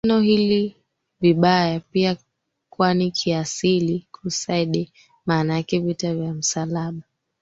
neno hili vibaya pia kwani kiasili Crusade maana yake Vita vya Msalaba